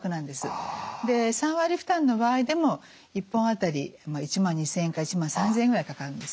３割負担の場合でも１本当たり１万２，０００円から１万３，０００円ぐらいかかるんですね。